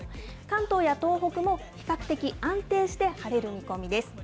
関東や東北も比較的安定して晴れる見込みです。